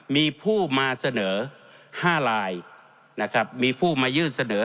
มีผู้มาเสนอ๕ลาย